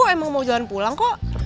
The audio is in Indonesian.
emang mau jalan pulang kok